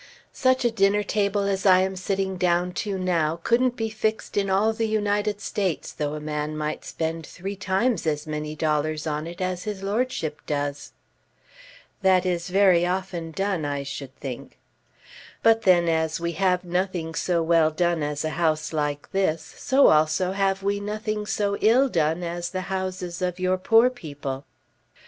"Such a dinner table as I am sitting down to now couldn't be fixed in all the United States though a man might spend three times as many dollars on it as his lordship does." "That is very often done, I should think." "But then as we have nothing so well done as a house like this, so also have we nothing so ill done as the houses of your poor people."